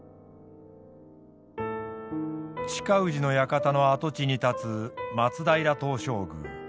親氏の館の跡地に建つ松平東照宮。